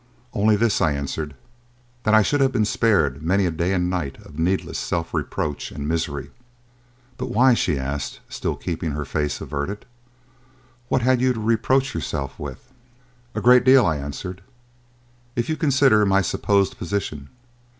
"Only this," I answered. "That I should have been spared many a day and night of needless self reproach and misery." "But why?" she asked, still keeping her face averted. "What had you to reproach yourself with?" "A great deal," I answered, "if you consider my supposed position.